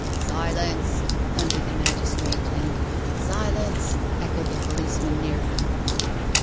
"Silence I" thundered the magistrate, and "Silence I" echoed the policeman near her.